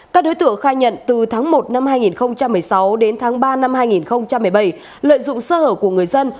các đối tượng khai nhận từ tháng một năm hai nghìn một mươi sáu đến tháng ba năm hai nghìn một mươi bảy lợi dụng sơ hở của người dân